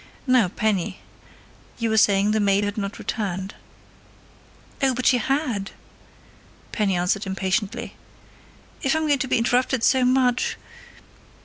Now, Penny. You were saying the maid had not returned." "Oh, but she had!" Penny answered impatiently. "If I'm going to be interrupted so much